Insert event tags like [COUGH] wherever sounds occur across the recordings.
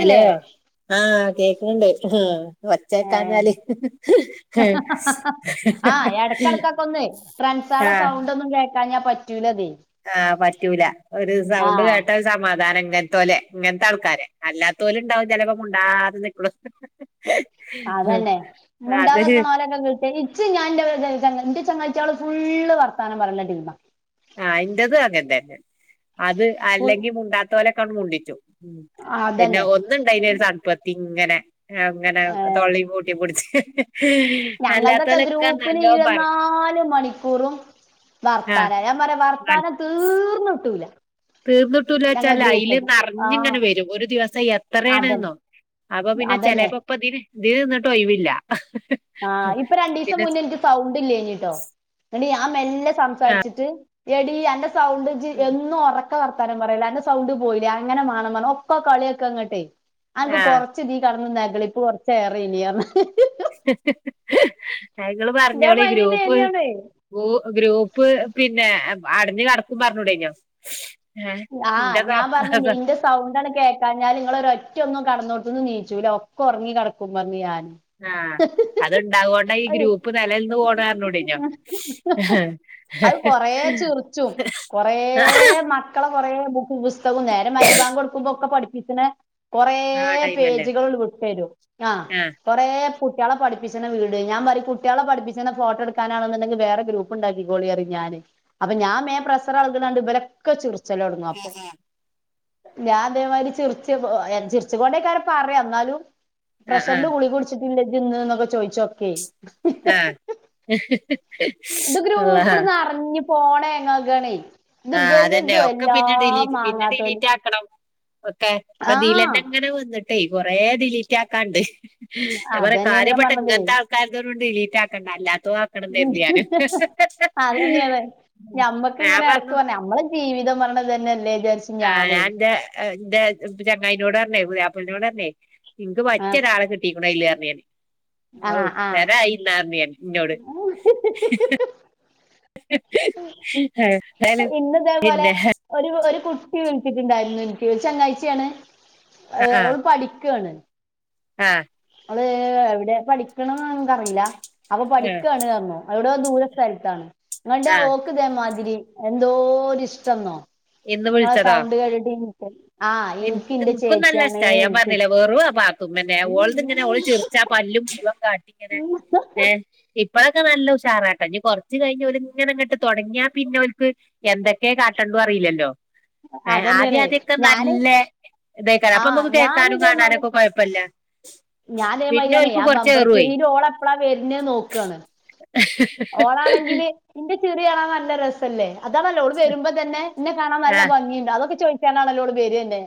Hello ആഹ് കേക്ക്ണുണ്ട് ആഹ് ഏഹ് ഒച്ചേക്കാഞ്ഞാല് [INAUDIBLE] ഫ്രണ്ട്സേളെ ആഹ് സൗണ്ടൊന്നും കേൾക്കാഞ്ഞാ പറ്റൂലതെ ആഹ് പറ്റൂല ഒരു സൗണ്ട് കേട്ടാ സമാധാനം ഇങ്ങനത്തോലെ ഇങ്ങനത്തെ ആൾക്കാരെ അല്ലാത്തോലുണ്ടാവും ചെലപ്പോ മുണ്ടാതെ നിക്കുണു. അതന്നെ അത് മുണ്ടാതക്കണ അവരൊക്കെ കിട്ടെ [UNINTELLIGIBLE] ഞാൻന്റെ എന്റെ ചങ്ങാച്ച ആള് ഫുള് വർത്താനം പറഞ്ഞിട്ടിരുന്ന ടീമ ആഹ് അന്റത് അങ്ങെന്തന്നെ അത് ഫുൾ അല്ലെങ്കിൽ ഉണ്ടാത്ത പോലെ കണ്ട് മുണ്ടിച്ചു പിന്നെ അതന്നെ ഒന്നുണ്ടായിന ഒരു തണപത്തി ഇങ്ങനെ അങ്ങനെ ഏഹ് തൊള്ളി പൂട്ടിപ്പടിച്ച് അല്ലാത്തലൊക്കെ നല്ലോ പറയും നാല് മണിക്കൂറും വർത്താന ആഹ് ഞാൻ പറയാ വർത്താന തീർന്ന ഇട്ടുല തീർന്നിട്ടൂല വച്ചാല അതിൽ ആഹ് നിറഞ്ഞിങ്ങനെ വരും ഒരു ദിവസം അതന്നെ എത്രയാണ്ന്നോ അപ്പൊ പിന്നെ അതന്നെ ചെലപ്പോ ഇപ്പ ഇതിന് ഇതി നിന്നിട്ട് ഒഴവില്ല ആഹ് ഇപ്പൊ രണ്ടു ദിവസം മുന്നേ എനിക്ക് സൗണ്ട് ഇല്ല കഞ്ഞിട്ടോ എന്ന ആഹ മെല്ലെ സംസാരിച്ചിട്ട് എടി അന്റെ സൗണ്ട്ജ്ജ്‌ ഉം എന്നും ഒറക്ക ക്കെ വർത്താനം പറയല്ലൊ അന്റെ സൗണ്ട് പോയിലെ അങ്ങനെ മാണം പർ ഒക്കെ കളിയാക്കങ്ങട്ടെ അൻക്ക് ആഹ് കൊർ ച്ച് തി കെട്ന്ന് നെഗളിപ്പ കൊർച്ചേറെയ്നി പർഞ് ങ്ങള് ഇതേ പർഞ്ഞോളി ഗ്രൂപ്പ് മൈൻഡന്നേനിയാണേ ഗൂ ഗ്രൂപ്പ് പിന്നെ അടഞ് കെട്ക്കും പർഞ്ഞൂടേനോ ആ ഞാൻ പർഞ്ഞു ഇയ്ന്റെ സ് സൗണ്ടണ്ട് കേക്കാഞ്ഞാല് ഇങ്ങളൊരൊറ്റൊന്നും കെടന്നോട് ത്ത്ന്ന് ണീച്ചൂല്ല ഒക്കെ ഒർങ്ങിക്കെട്ക്കും പർഞ് ഞാന് ആഹ് അത്ണ്ടാവോണ്ട ഈ അതെ ഗ്രൂപ്പ് നെലൽന്ന് പോണ് പർഞ്ഞൂടെയ്നോ അത് കൊറേ ക്കളെ കൊറേ ബുക്ക് പുസ്തകും നേരം മരിബാങൊടുക്കുമ്പോ ഒക്കെ പഠിപ്പിച്ച്ണെ കൊറേ ആ ടൈമല്ലേ പേജ്കൾണ്ട് വിട്ടെരും ആഹ് കുറെേ കുട്ട്യാളെ പഠിപ്പിച്ച്ണ വീഡിയോ ഞാൻ പറയും കുട്ട്യാളെ പഠിപ്പിച്ച്ണ ഫോട്ടട്ക്കാനാണെണ്ടെങ്കില് വേറെ ഗ്രൂപ്പ് പ്പ്ണ്ടാക്കിക്കോളി ർയും ഞാന് അപ്പൊ ഞാ വേം പ്രസറെള്ക്ണണ്ട് ഇവലൊക്കെ ചിർ ച്ചലൊട്ങ്ങും അപ്പൊ ഞാൻ അതേമാതിരി ചിർച്ച് ചിർച്ച്ങ്ങോണ്ടേക്കാരം പറയാ ന്നാലും ആഹ് പ്രഷറിന്റെ ആഹ് ഗുളിക കുടിച്ചിട്ടില്ല ജ്ജ്‌ന്ന് ന്നൊക്കെ ചോയ്ച്ചോക്കെ ആഹ് ഇത് അള്ളാ ഗ്രൂപ്പിണ്ട്ന്നർഞ് ഫോൺ ഏങ്ങാകാണെ ആഹ് അതെന്നെ ഒക്കെ പിന്നെ ഡിലീറ്റ് പിന്നെ മാങ്ങാത്തോലും ഡിലീറ്റാക്കണം ഒക്കെ ആഹ് ഇപ്പതീലെന്നെങ്ങനെ വെന്ന്ട്ടേ കൊറെ ഡിലീറ്റാക്കാണ്ട് ഞാൻ പറയാ അതന്നെയാണ് ഞാൻ കാര്യപ്പെട്ട പറഞ്ഞത് ഇങ്ങൻത്താൾക്കാരതൊന്നും ഡിലീറ്റാക്കണ്ട അല്ലാത്തോ അതെന്നെണ് ഞാൻ ഞമ്മക്ക്ങ്ങനെ എടക്ക് പറഞ്ഞു പർഞ്ഞ ഞമ്മള് ജീവിതം പർയ്ണ്തെന്നല്ലേ ചാര്ച്ച് ആ ഞാന്റെ ന്റെ ചെങ്ങായിനോട് പർഞ്ഞേ പുത്യാപ്പൾനോട് പർഞ്ഞേ ഇൻക്ക് ആഹ് പറ്റ്യൊരാളെ കിട് [UNINTELLIGIBLE] ആഹ് ആഹ് [UNINTELLIGIBLE] ഇന്നോട് ആ ഇന്നിതേപോലെ പിന്നെ ഒരു ഒരു കുട്ടി വിൾച്ചിട്ടുണ്ടായിരുന്നു ഒരു ചെങ്ങായ്ച്യാണ് ആഹ് ഓള് പഠിക്കാണ് ആഹ് ഓള് എവടെ പഠിക്ക്ണ് നമ്മക്കറില്ല അപ്പൊ ആഹ് പഠിക്കാണ് പർഞ്ഞു എവടോ ദൂര സ്ഥലത്താണ് [UNINTELLIGIBLE] ആഹ് ഓക്ക്തേമാതിരി എന്തോര്ഷ്ടംന്നോ ഇന്ന് ങ്ങളെ സൗണ്ട് കേട്ടിട്ട് [UNINTELLIGIBLE] ഇൻ ഇൻക്ക് ഇന്റെ ഇൻക്കും നല്ല ചേച്ചിയാണ് ഇഷ്ടായി ഞാൻ ഇൻക്ക് പർഞ്ഞില്ലെ വെറും അ പാ ത്തുമ്മന്റെ ഓൾത്ങ്ങനെ ഓള് ചിർച്ചാ പല്ലും മുഴുവൻ കാട്ടിങ്ങനെ ഏ ഇപ് പ്പളൊക്കെ നല്ല ഉഷാറാട്ടോ ഇനി കൊർച്ച് കഴിഞ്ഞ് ഓല്ങ്ങനെങ്ങട്ട് തൊടങ്യാ പിന്നോൽക്ക് എന്തെക്കെ കാട്ടണ്ടറില്ലല്ലോ ആദ്യം അതന്നെയാണേ ആദ്യൊക്കെ നല്ല ഞാന് ല്ലെ ഇതേക്കാരം അപ്പൊ ആഹ് ഞമ്മക്ക് ഞാന് കേക്കാനും ഇതേമാതിരി കാണാനൊക്കെ കൊഴപ്പല്ല ഞാൻ പിന്നെ ഇതേമാരിയാണേ ഓൽക്ക് ആ കൊറച്ച് ബംബർ ഏറുവേ ചിരില് ഓളെപ്പഴാ വെര്ണത് നോക്കാണ് ഓളാണെങ്കില് ഇന്റെ ചിറി കാണാൻ നല്ല രെസല്ലേ അതാണല്ലോ ഓള് വെരുമ്പോ തന്നെ ഇന്നെ കാണാൻ നല്ല ആഹ് ഭംഗിണ്ട് അതൊക്കെ ചോ ക്കാനാണല്ലോ ഓള് വെരെന്നെ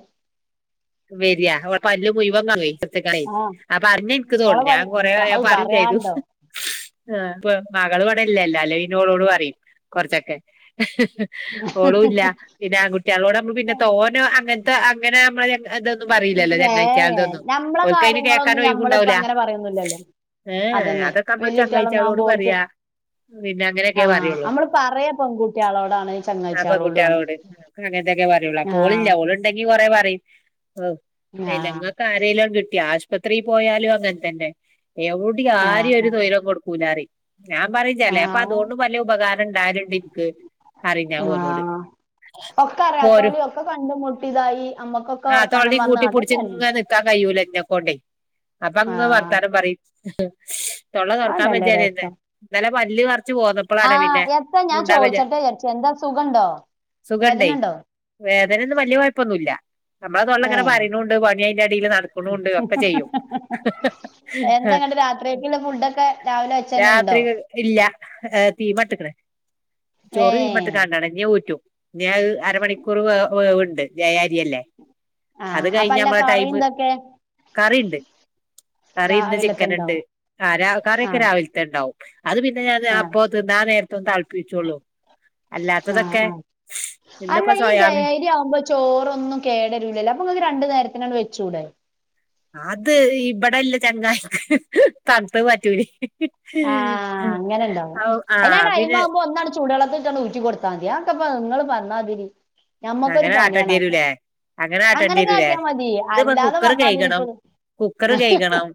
വെര്യാ ഓളെ പല്ല് മുയ്വൻ [UNINTELLIGIBLE] ത്ത്കയ് ആഹ് ആ പർഞ്ഞ ഇൻക്ക് ഇങ്ങളെ തോണ്ട് പ ഞാൻ കൊറേ ആയ അത് പറയും ചെയ്തു പറയാണ്ടോ അ ഇപ്പ മകള് ഇവടല്ലല്ലോ അല്ലെ പിന്നെ ഓളോട് പറയും കൊർച്ചൊക്കെ ഓളും ഇല്ല പിന്നെ ആൺങ്കുട്ടിയാളോട് അമ്മള് പിന്നെ തോനെ അങ്ങൻത്തെ അങ്ങനെ അമ്മളെ ചങ്ക് ഇതൊന്നും പറീലല്ലോ ഏ ചെങ്ങായ്ച്യാൾതൊന്നും ഞമ്മളെ ഓൽക്കൈന് കാര്യങ്ങളൊന്നും കേക്കാന് ഒയ് ഞമ്മളിപ്പ വുണ്ടാവുല അങ്ങനെ പറയൊന്നുല്ലല്ലോ ഏ ഏ അതന്നെ അതൊക്ക അമ്മള് വെല്ലുട്ടികളൊന്നും ചെങ്ങായ്ച്യാളോട് ആകുമ്പോ ഓൽക്ക് പറിയാ പിന്നെ ആ അങ്ങനെക്കെ പറിയൊള്ളൂ നമ്മള് പറയാ പെൺകുട്ടികളോടാണ് ആഹ് ചങ്ങാഴ്ചികളോടും ആണ് പെങ്കുട്ട്യാളോട് അങ്ങൻത്തെക്കെ പറ്യൊള്ളൂ ആ അപ്പ ഓളില്ല ഓള്ണ്ടെങ്കി കൊറേ പറിം ഏഹ് ആ പിന്നെ ഇങ്ങക്ക് ആരേലും കിട്ട്യാ ആശ്പത്രി പോയാലു അങ്ങൻത്തന്നെ എവുടി ആ ആരിം ഒര് തൊയ്രം കൊട് ക്കൂലാറിം ഞാം പറിം ആ ചെലേപ്പം അത്കൊണ്ടും വല്ല്യ ഉപകാരം ഇണ്ടായല്ണ്ട് ഇൻ ക്ക് പറിം ഞാ ആ ഓലോട് പ്പോരു ക്കകണ്ടുമുട്ടിതായി അമ്മക്കൊക് ആഹ് തൊള്ളീം കൂട്ടിപുട്ച്ച്‌ ഇങ്ങൻനിക്കാൻ കയ്യൂല ഇഞെകൊണ്ടെയ് അപ്പ ആ അങ്ങ് വർത്താനം പറിം തൊള്ള തൊർക്കാം അതന്നെല്ലേ വെജ്ജാറിയെന്നെ രസം ഇന്നലെ പല്ല് പർ ച്ച്‌ ആ പോന്നപ്പളാണ് പിന്നെ എത്താ ഞാൻ മുണ്ടാവെജ്ജ ചോദിച്ചട്ടെ വിചാരിച്ചു എന്താ സുഖണ്ടോ വേദന സുഖണ്ടെയ് ഉണ്ടോ വേദനെന്നും വല്യ കൊയപ്പൊന്നുല്ല അമ്മളെതൊള്ള ഇങ്ങനെ ഏ പറിണുണ്ട് പണി അയ്ന്റെ എടീല് നടക് എന്താ ഇങ്ങട്ട് രാത്രിക്കക്ക്ല്ലെ ഫുഡൊക്കെ രാവിലെ വെച്ചയെന്നെ ഇണ്ടോ രാത്രി ഇല്ല ഏ തീമട്ട്ക്ക്ണ് ചോറ് ഏഹ് തീമട്ട്ക്കാണ്ടാണ് ഇഞ് അഹ് ഊറ്റും ഇഞ് അഹ് അരമണിക്കൂറ് വെ വേവ്ണ്ട് ജയ അരിയല്ലേ അത് ആഹ് അപ്പ കഴിഞ്ഞാ അല്ല അമ്മളെ കറിം ടൈമ് ഇതൊക്കെ കറിഇണ്ട് കറി ഇന്ന് ചിക്കന്ണ്ട് രാവിലത്തെണ്ടാവും ആഹ് രാ കറി ഒക്കെ ആഹ് രാവിൽത്തെഹ് ഇണ്ടാവും അത് പിന്നെ ഞാ അത് ആ ആഹ് അപ്പോ ത്തിന്നാ നേര്ത്തൊന്ന് തൾപ്പിച്ചൊള്ളു ഉം ഉം അല്ല ഇന്നിപ്പോ ഈ സോയാബീൻ ജയയ്രി ആവുമ്പൊ ചോറൊന്നും കേടരൂല്ലല്ലോ അപ്പ ഇങ്ങക്ക് രണ്ട് നേരത്തിനാണ്ട് വെച്ചൂടെ അത് ഇബടെല്ലെ ചെങ്ങായിക്ക് തൺത്തഹ് പറ്റൂലെയ് ആഹ് അങ്ങനെണ്ടാവും അയ്നാ ടൈം പിന്നെ ആവുമ്പോ ഒന്നാണ് ചൂടള്ളത്തില്ട്ടാണ്ട് ഊറ്റി കൊടുത്താ മതി അഒക്കെ പ്പൊ ഇങ്ങള് പറഞ്ഞാതിരി ഞമ്മക്കൊരു അങ്ങനെ ആട്ടേണ്ടി പണിയാണ് അഒക്കെ വരൂലേ ആട്ടേണ്ടി അങ്ങനെ വരൂലേ കാട്ടിയാ മതി അല്ലാതെ പറഞ്ഞാതിരിപ്പെള് കുക്കറ് കെയ്കണം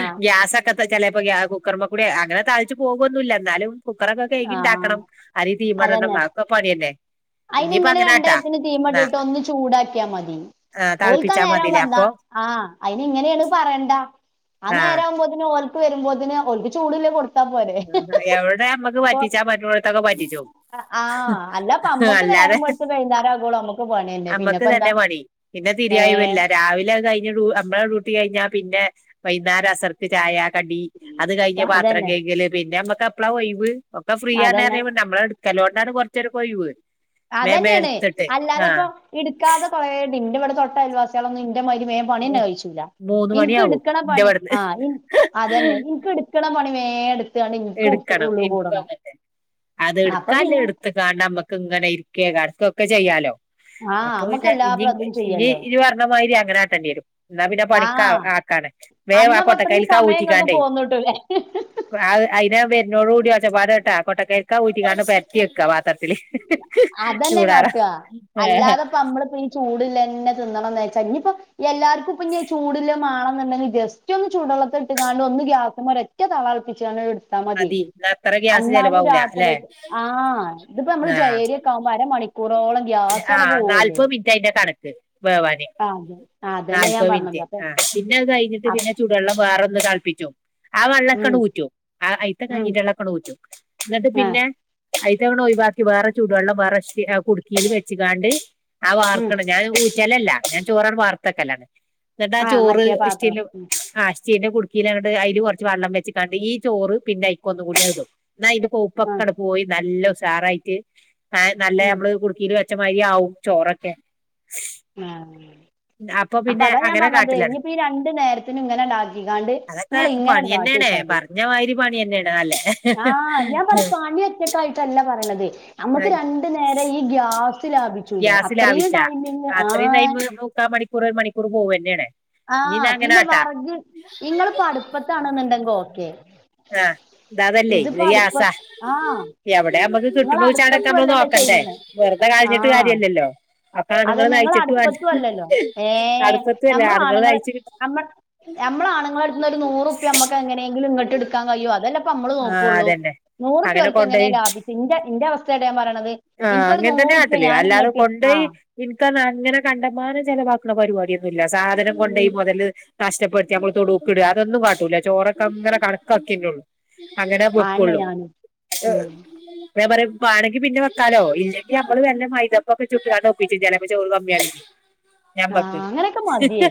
ആഹ് ഗ്യാസ ക്കത്ത ചെലേപ്പ ഗ്യാ കുക്കർമ്മകൂടി അങ്ങനെ തൾച്ച് പോകൊന്നുല്ല ഇന്നാലും കുക്കറൊക്കെ ആഹ് കെയ്കിണ്ടാക്കണം അരി തീ മടണം അഒക്കേ പണ്യല്ലെ അയ്ന് ഇങ്ങനെ രണ്ടേര്ത്തിന് തീമട്ട്ട്ട് ഒന്ന് ചൂടാക്കിയ മതി ആ ഓൽക്കാ തളപ്പിച്ചാ നേരാവ്മ്പ മതില്ലേ എന്താ അപ്പൊ ആഹ് അയ്ന് ഇങ്ങനേണ് പറേണ്ട ആ നേരാവുമ്പോത്തിന് ഓൽക്ക് വെരുമ്പോതിന് ഓൽക്ക് ചൂട്ല്ലെഹ് കൊട് ആഹ് ഹാ എവ്ടെ അമ്മക്ക് പറ്റ് റ്റിച്ചാൻ പറ്റ്നോട്ത്തൊക്കെ പറ്റിച്ചും ആഹ് അല്ലപ്പ അമ്മക്ക് അല്ലാതെ നേരം വെളുത്ത് വൈകുന്നേരം ആകുവോളം അമ്മക്ക് പണിയന്നെ അമ്മക്ക് പിന്നെപ്പെന്താ ഇതന്നെ പണി പിന്നെ തിരിയാ ഒയ് ഏഹ് വില്ല രാ രാവിലെ അഹ് കഴിഞ്ഞ ടു അമ്മളെ ഡ്യൂട്ടി കഴിഞ്ഞാ പിന്നെ വൈന്നാരം അസർ ക്ക് ചായ കടി അത് കഴിഞ്ഞ് പാത്രം അതന്നെ കെയ്കല് പിന്നെ അമ്മക്ക് എപ്പളാ ഒയ് വ് ഒക്കെ ഫ്രീ ആണ് അതന്നെ അറീമ്പോ നമ്മളെ ഇട്ക്കലോണ്ടാണ് കൊർച്ചേരൊക്കൊയ്‌വ് അതന്നേണ് അല്ലാതെപ്പോ ഇട്ക്കാതെ കൊറേണ്ട് ഇന്റവടെ തൊട്ട അയൽവാസിയാളൊന്നും ഇന്റ മായ്രി വേം പണ്യേന്നെ കയ്ച്ചൂല മൂന്ന് ഇൻക്ക് മണിയാവും ഇട്ക്ക്ണ ഇന്റെ പണി ഇവിടുന്ന് ആഹ് ഇൻ അതന്നെ ഇൻക് ഇട് ക്ക്ണ പണി വേ ഇട് ഇട്ക്കണം ഇൻക്കു അങ്ങൻത്തന്നെ അത് അപ്പൊ ഇട്ക്കാല്ലെഹ് പിന്നെ ഇട് ത്ത്ക്കാണ്ട് അമ്മക്ക് ഇങ്ങനെ ഇരിക്കെ കടക്ക ഒക്കെ ചെയ്യാലോ ആഹ് അപ്പൊ അമ്മക്ക് പിന്നെ എല്ലാ ഇഞ്ഞിങ്ങ് പ്രതും ഇഞ് ചെയ്യല്ലോ ഇജ് പറഞ്ഞമാരി അങ്ങനെ കാട്ടെണ്ടിയെരും ഇന്നാ പിന്നെ പണിക്ക് ആ ആക്കാണ് വേം ആ അന്നപത്രീം കൊട്ടക്കൈൽക്കാ സമയം ഇങ്ങക്ക് പോന്ന്ട്ടുല്ലേ അത് അയ്നാ വെര്ന്നോ ടൂടി ഒച്ചപാടെ ട്ടാ കേട്ടകയ്ല്ക്ക ഊറ്റിങ്ങാണ്ട് പെര്ത്ത്യക്കാ വാ ത്രത്തില് ചൂടാറാൻ ഏഹ് അമ്മള്പ്പീ ചൂട് ല്ലെന്നെ തിന്നണം ന്നെച്ചാ ഇഞ്പ്പൊ എല്ലാർക്കുപ്പൊഞ്ഞ് ചൂട്ല്ലേമാണംന്ന്ണ്ടെങ്കി ജെസ് റ്റൊന്ന് ചൂടള്ളത്ത്ട്ട്ക്കാണ്ട് ഒന്ന്ഗ്യാസ്മ്മെ ഒരൊറ്റതളതൾപ്പിച്ചണത് ട് ത്താമത്യേ മതി എന്നാ അത്ര ഗ്യാസ് ചെലവാവൂല അല്ലെ അന്നാലുംരാത്രിക്ക് ആഹ് ഇത് പ്പമ്മളെ ആഹ് ജയര്യക്കാവുമ്പോ അരമണി ക്കൂറോളം ആഹ് ഗ്യാസ്സവടെപോവല്ലേ നാല്പത് മിനിറ്റ് അയിന്റെ കണക്ക് വേവാന് ആതെ അതന്നെ ഞാം പർഞ്ഞത് അപ്പം പിന്നത് കയ്ഞ്ഞിട്ട് പിന്നെ ചൂടെള്ളം വേറൊന്ന് തൾപ്പിച്ചും ആ ഉം വെള്ളക്കണൂറ്റും ആ ഉം അയിത്തെകാഞ്ഞിന്റള്ളക്കണൂറ്റും ന്ന്ട്ട് ആ പിന്നെ അയിത്തക്കണൊയ് വാക്കി വേറെ ചൂട് വെള്ളം വേറെച്ച് ഏഹ് കുട്ക്കീല് വെച്ച്ക്കാണ്ട് അത് ഉം വാർക്കണ് ഞാൻ ഊറ്റലല്ല ഞാൻ ചോറണ് വാർത്തെക്കലാണ്. ആ ന്ന്ട്ടാചോറ് മറ്റേ പാത്രം ഇഷ്ട്ടീലും ഉം ആഹ് ഇ സ്റ്റീല്ന്റെ കുട്ക്കേലങ്ങെട്ട് അയില്കൊറച്ച് വള്ളംവെച്ച്ക്കാണ്ട് ഈചോറ് പിന്നയ്ക്കൊന്നുംകൂട്യാണ് വെക്കും ന്നയ്ൻ്റെ കൂ ആ പ്പൊക്കണ്ട്പോയി നല്ലഉസാറായിട്ട് ന നല്ല ഉം അമ്മള് കുട്ക്കീല് വെ ച്ചമാര്യാവും ചോറൊക്കെ. ആഹ് അപ്പൊ പിന്നെ അപ്പതാ ഞാൻ അങ്ങനെ പർഞ്ഞത് കാട്ടലാണ് ഇഞ്പ്പഈ രണ്ട് നേരത്തിനുങ്ങനെണ്ടാക്കിക്കണ്ട് അതൊക്കെ ഇങ്ങളിങ്ങനാണ്ട് പണിയന്നേണ് കാട്ട്യച്ചണ്ടി പറഞ്ഞ മാതിരി പണിയന്നേണ് നല്ലേ ആഹ് ഞാൻ പർഞ്ഞേ പണ്യൊറ്റ ക്കായിട്ടല്ല പറിണത് അമ്മ്ക്ക് രണ്ട് നേര ഈ ഗ്യാസ് ലാഭിച്ചൂടെ അത്രേം ടൈമിങ് ആഹ് ത്രേംടൈമ്മ് മുക്കാമണിക്കൂറ് ഒര്മണിക്കൂറ് പോവെന്നെണ്. ആഹ് പിന്നെ വറ്ക് ഇങ്ങള്പ്പൊ അട്പ്പത്താണ്ന്ന്ണ്ടെങ്കോക്കെ ആഹ് ഇതതല്ലേയ് ഇത് ഗ്യാസ്സാ. ആഹ് എവടെ നിങ്ങൾ അമ്മക്ക്‌ക്കിട്ട്ണൂച്ചാടക്കെ അടുപ്പത്തും അമ്മള് അല്ലല്ലോ നോക്കണ്ടേ ചെയ്യണേ വെറ്തെ കൾഞ്ഞ്ട്ട് ആഹ് കാര്യല്ലല്ലോ. അപ്പാണ്ങ്ങള് അതന്നെ നിങ്ങൾ നയിച്ച്ട്ട് വാണ്ടേ അടുപ്പത്തും അല്ലല്ലോ ഏഹ് അട്പ്പത്ത്വൊല്ല ആണ്ങ്ങള് നയിച്ച് കി അമ്മളാണ്ങ്ങളട്ത്ത്ന്നൊര് നൂറുപ്പ്യ അമ്മക്കെങ്ങനെങ്കിലും ഇങ്ങട്ട്ട്ക്കാൻകയ്യൊ അതല്ല ആഹ് പ്പമ്മള്നോക്കൊള്ളൂ അതന്നെ നൂറുപ്പ്യ അങ്ങനെ ഓൽക്കെങ്ങനെ കൊണ്ടോയി ലാഭിക്കും ഇന്റെ ഇന്റവസ്ഥേട്ടൊ ഞാം പറ്ണത്. ആഹ് അങ്ങൻതന്നെ കാട്ടല് അല്ലാതെ കൊണ്ടോയി ആഹ് ഇൻക്കർഞ്ഞ അങ്ങനെകണ്ടമാനം ചെലവാക്കണപരിവാട്യൊന്നുല്ല സാധനം കൊണ്ടെയ് മൊതല് നഷ്ട്ടപ്പെട്ത്തി അമ്മള്തൊടുക്ക്ടാ അതൊന്നുംകാട്ടൂലാ ചോറക്കങ്ങനെ കണക്കാക്ക്യന്നൊള്ളൂ ആന്നെ അങ്ങനെവെക്കൊള്ളു ഞാനും എഹ് ഉം ഞാം പറ്യാ വാണെങ്കി പിന്നെ വെ കലോ ഇല്ലെങ്കി ഞമ്മള് വെല്ലേ മൈതപ്പൊക്കെചുട്ട്ക്കാണ്ട് ഒപ്പിച്ചി ചെലേപ്പം ചോറ് കമ്മ്യാണെങ്കി. ഞമ്മക്ക് ആഹ് അങ്ങനെയൊക്കെ മതിയേ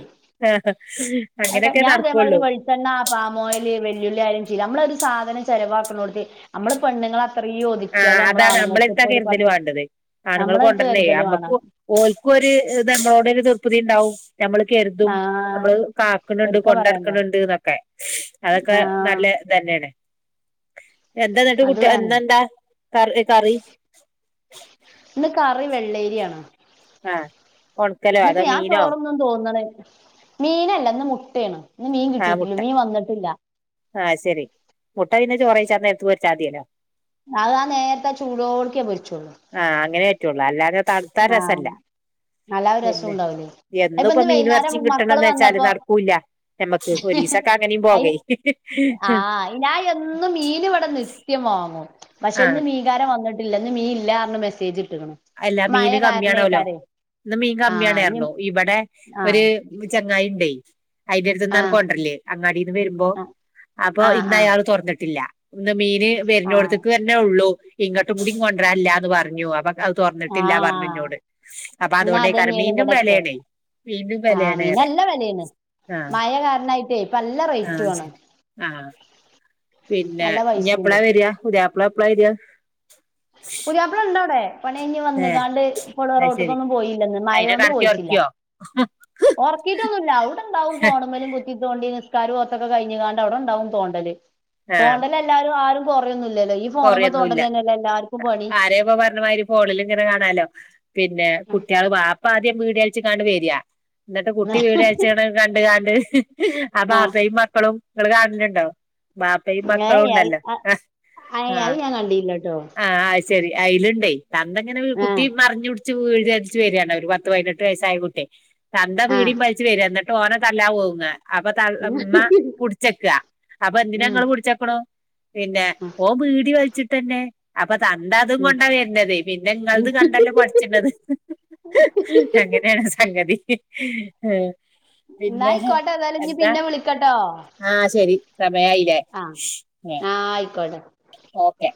അങ്ങനെക്കെനടക്കൊള്ളൂ. ച്ചെണ്ണ, പാംമൊയില്, വെല്ലുള്ള്യായാലും ചെയ്യില്ല നമ്മളൊരു സാധനം ചെലവാക്ക്ണോട്ത്ത് അമ്മള് പെണ്ണുങ്ങള ത്രേം ആ ഒതിക്ക്യാല് അതാണ് അമ്മളാണ്ങ്ങക്ക് നമ്മളെടുത്താ പ്പൊര് കരുതല് പത്ത് വേണ്ടത് നമ്മളെട്ത്ത് കര്തല് വാണം. ഓൽക്കൊര് ത് എന്നോടൊര് തൃപ്പതിണ്ടാവും നമ്മള് കെര്തും ആഹ് അമ്മള് കാക്ക്ണ് ണ്ട് ഒരിക്ക പറയണ്ടോ കൊണ്ടട്ക്ക്ണ് ണ്ട്ന്നൊക്കെ അതൊക്കെ ആഹ് നല്ല തന്നെണ് അത് എന്തന്ന്ട്ട്കുട്ടി വേണേ ഇന്നെന്തെകറ് എഹ് കറി? ഇന്ന് കറി വെള്ളേര്യാണ്. ആഹ് ഒൺക്കലോ അതോമീനോ? തോന്ന്ണ് മീനല്ല ഇന്ന് മുട്ടേണ് ഇന്ന് മീൻ കിട്ടിട്ടില്ല മീൻ വന്ന്ട്ടില്ല. അയ് ശെരി മുട്ട പിന്നെ ചോറയ്ച്ചനേര്ത്ത് പൊര്ച്ചാത്യല്ലോ. അത് ആ നേരത്ത ചൂടോട്ക്കേ പൊര്ച്ചൊള്ളൂ. ആഹ് അങ്ങനെറ്റുള്ളൂ അല്ലാതെ തൺത്താരസല്ല നല്ലഹ് രസുംണ്ടാവൂലേ എന്നുംപ്പൊ മീനുംഎറച്ചിംകിട്ടണംന്ന് വെച്ചാല്നടക്കൂല്ല നമ്മക്ക് ഒരീസൊക്കങ്ങനിംപോകേ അയിന് ആഹ് ഞായെന്നും മീന് വ്ടെ നിത്യംവാങ്ങും ആഹ് പഷേന്ന്മീ കാരംവന്ന്ട്ടില്ല ഇന്ന്മീൻല്ലാറ്ഞ് മെസ്സേജ്ട്ട്ക്ക്‌ണ് അല്ല മീന്കമ്മിയാണോലോ ഇന്ന്മീൻ ആഹ് ഇഞ്ഞ് കമ്മിയാണ്റ്ഞ്ഞു ഇമ്പടെ ഒര് ആഹ് ഇന്ന്ചെങ്ങായിണ്ടേ അയിന്റെ അടുത്ത്ന്നണ് ആഹ് കൊണ്ടരല്ലേ അങ്ങാടിന്ന് വരുമ്പോ ആഹ് അപ്പൊ ആഹ് ഇന്ന് ആഹ് അയാള് തൊറന്നിട്ടില്ല ഇന്ന് മീന് ആഹ് വരുന്നോടത്തേക്ക് തന്നെ ഉള്ളു. ഇങ്ങോട്ട് മീൻ കൊണ്ടരല്ല എന്ന് പറഞ്ഞു അപ്പൊ തൊറന്നിട്ടില്ല ആഹ് പറഞ്ഞുന്നൊട് അപ്പ എന്നാ അതൊണ്ടയ്കാരം അതന്നെയാണ് മീനും ഇവിടൊക്കെ വെലെണ് മീനും ആഹ് ബെലെണ്റിയ മീന് അറിയ നല്ല വെലയാണ് ആഹ് മഴ കാരണായിട്ടേ ഇപ്പ നല്ല ആഹ് റേറ്റും ആണ് ശരി ആഹ് പിന്നെ നല്ല ഇനി പൈസയുണ്ട് എപ്പളാ വരിയാ പുതിയപ്പള എപ്പളാ വരിയ പ്പളണ്ടവിടെ പണിയ്ഞ് വന്ന്കാണ്ട് ഇള അത് റോട്ടിക്കൊന്നും പോയില്ലന്ന് മഴ കൊണ്ട് പോയിട്ട്ല്ല ആഹ് ഒറക്കിയിട്ടൊന്നുല്ല അവിടെണ്ടാവുംഫോണെ മ്മലും കുത്തി തോണ്ടി നിസ്കാരം പോത്തൊക്കെ കഴിഞ്ഞ കാണ്ട് അവിടെ ഉണ്ടാവും തോണ്ടല് തോണ്ടലല്ലാരും ആരും കൊറയൊന്നില്ലല്ലോ കൊറൊയൊന്നുല്ല ആരെയപ്പോ പറഞ്ഞമാതിരി ഫോണിൽലിങ്ങനെ കാണാലോ പിന്നെ കുട്ടികള് പാപ്പ ആദ്യം വീട് കളിച്ച് കാണ്ട് വരിയാ ഇന്നട്ട് കുട്ടി വീട് അയച്ചണ കണ്ട് കണ്ട് ആ ആഹ് പാപ്പയും മക്കളും നിങ്ങള് കാണലുണ്ടാ ബാപ്പയും മക്കളും ഏയ് അത് ഉണ്ടല്ലോ ആഹ് ഏയ് അത് ആഹ് ഞാൻ കണ്ടില്ലട്ടോ ആഹ് ആ യ്ശെരി അയലുണ്ടേ തന്തങ്ങനെ ങ്ങനെ കുട്ടി ആഹ് മറിഞ്ഞുടുത്ത ച് വീടിവള്ച് വരിയാണ് ഒരു പതിനെട്ട വയസ്സായ ഒരു കുട്ടി തന്ത ആഹ് വീടിം വലിച്ചെ വരാ ഇന്നട്ട് ഓനെ തല്ലാ ഓങ്ങ അപ്പ ഉം തമ്മ പുടിച്ചെക്ക അപ്പ എന്തിനങ്ങള് പുടിച്ചെക്ണു പിന്നെ ഉം ഓൻ ബീടി വലിച്ചിട്ട്ന്നെ അപ്പ തന്ത അതും ഉം കൊണ്ടാ വര്ന്നത് പിന്നെ നിങ്ങളത് കണ്ടല്ലോ പഠിച്ചിണത് അങ്ങനെയാണ് സംഗതി ആഹ് എന്നാ പിന്നെ ആയിക്കോട്ടെ ഏതായാലും ഇനി എന്താ പിന്നെ വിളിക്കട്ടോ ആഹ് ശരി സമയായില്ലേ ആഹ് ആഹ് ആയിക്കോട്ടെ ഓക്കെ